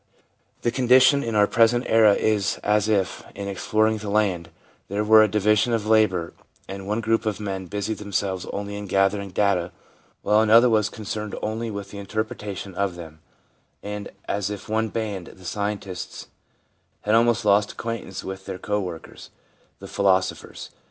The condition in our present era is as if, in exploring the land, there were a division of labour and one group of men busied themselves only in gathering data while another was concerned only with the interpretation of them, and as if one band, the scientists, had almost lost acquaintance with their co workers, the philosophers.